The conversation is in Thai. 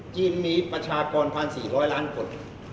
จีนมีประชากรพันสี่ร้อยล้านคน